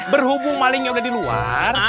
berhubung malingnya udah di luar